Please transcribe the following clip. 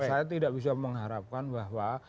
saya tidak bisa mengharapkan bahwa